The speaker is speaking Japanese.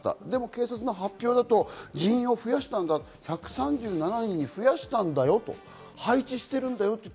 警察の発表だと人員を増やしたんだ、１３７人増やしたんだよと、配置しているんだよと。